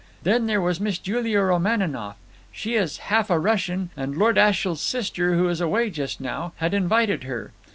Then there was Miss Julia Romaninov. She is half a Russian, and Lord Ashiel's sister, who is away just now, had invited her.